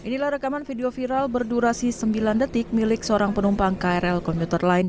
inilah rekaman video viral berdurasi sembilan detik milik seorang penumpang krl komuter line